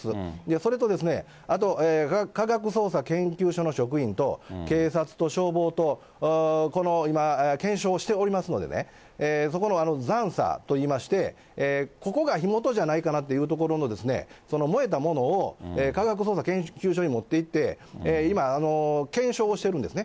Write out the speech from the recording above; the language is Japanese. それと、あと科学捜査研究所の職員と、警察と消防と、この今、検証しておりますのでね、そこの残さといいまして、ここが火元じゃないかなという所の燃えたものを科学捜査研究所に持っていって、今、検証をしてるんですね。